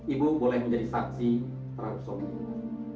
ibu boleh menjadi saksi terhadap suami ibu